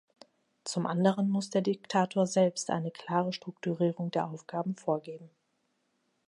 Zum anderen muss der Direktor selbst eine klare Strukturierung der Aufgaben vorgeben.